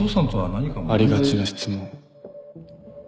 ありがちな質問